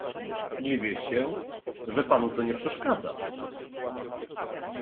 "Dziwię się, że panu to nie przeszkadza."